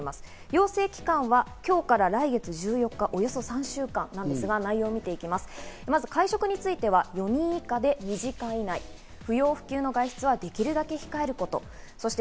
要請期間は今日から来月１４日、およそ３週間なんですが、まず会食については４人以下で２時間以内、不要不急の外出はできるだけ控えること。